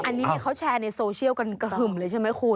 อันนี้เขาแชร์ในโซเชียลกันกระหึ่มเลยใช่ไหมคุณ